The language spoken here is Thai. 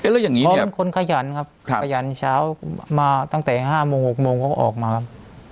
แล้วอย่างนี้พอเป็นคนขยันครับขยันเช้ามาตั้งแต่๕โมง๖โมงเขาก็ออกมาครับ